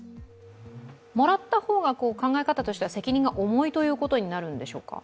もらった方が、考え方としては責任が重いということになるのでしょうか。